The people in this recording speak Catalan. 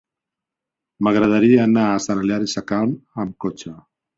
M'agradaria anar a Sant Hilari Sacalm amb cotxe.